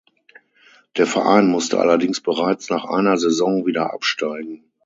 Der Verein musste allerdings bereits nach einer Saison wieder absteigen.